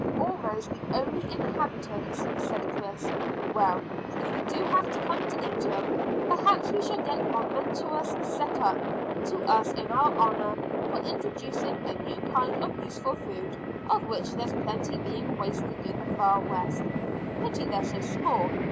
"Almost the only inhabitants," said Chris. "Well, if we do have to come to eat 'em, perhaps we shall get monuments set up to us in our honour for introducing a new kind of useful food of which there's plenty being wasted in the far west. Pity they're so small.